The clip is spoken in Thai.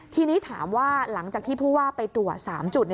ทีนี้ถามว่าหลังจากที่ผู้ว่าไปตรวจ๓จุด